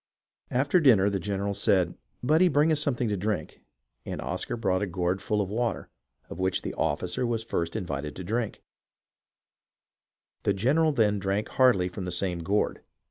"After dinner the general said, 'Budde, bring us some thing to drink,' and Oscar brought a gourd full of water, of which the officer was first invited to drink ; the general then drank heartily from the same gourd.